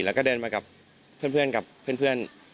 แล้วก็เดินมากับเพื่อนกับเพื่อน